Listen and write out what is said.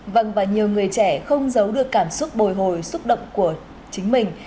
vâng và nhiều người trẻ không giấu được cảm xúc bồi hồi xúc động của chính mình